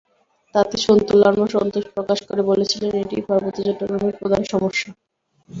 তাতে সন্তু লারমা সন্তোষ প্রকাশ করে বলেছিলেন, এটিই পার্বত্য চট্টগ্রামের প্রধান সমস্যা।